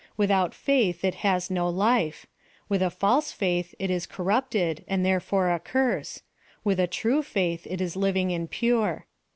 Without faith it has no life — with a false faith it is corrupted, and therefore a curse — with a tnie faith it is living and pure.